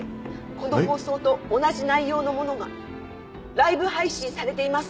この放送と同じ内容のものがライブ配信されています。